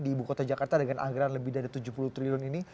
di ibu kota jakarta dengan anggaran lebih dari tujuh puluh triliun ini